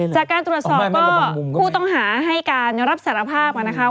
จากการตรวจสอบก็ผู้ต้องหาให้การรับสารภาพนะคะ